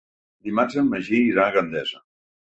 Dimarts en Magí irà a Gandesa.